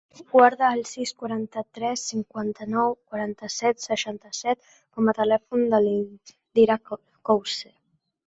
Guarda el sis, quaranta-tres, cinquanta-nou, quaranta-set, seixanta-set com a telèfon de l'Indira Couce.